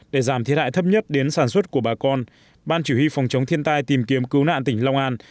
để giảm thiệt hại thấp nhất đến sản xuất của bà con ban chủ yếu phòng chống thiên tai tìm kiếm cứu nạn tỉnh long an